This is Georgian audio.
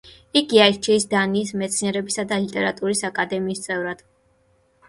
იგი აირჩიეს დანიის მეცნიერებისა და ლიტერატურის აკადემიის წევრად.